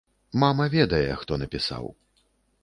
Мама ведае, хто напісаў.